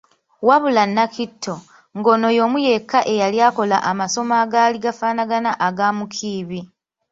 Wabula Nakitto, nga ono y’omu yekka eyali akola amasomo agaali gafaanana aga Mukiibi.